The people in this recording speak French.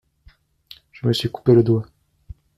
Je me suis coupé le doigt.